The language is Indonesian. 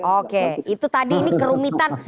oke itu tadi ini kerumitan